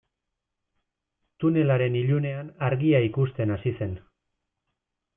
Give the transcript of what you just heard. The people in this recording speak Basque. Tunelaren ilunean argia ikusten hasi zen.